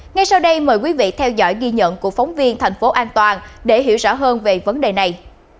ngay sau đây mời quý vị theo dõi ghi nhận của phóng viên thành phố an toàn để hiểu rõ hơn về vấn đề này